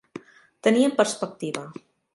Tenir en perspectiva.